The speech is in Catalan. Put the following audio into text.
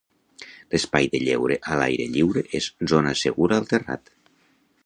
L'espai de lleure a l'aire lliure és zona segura al terrat.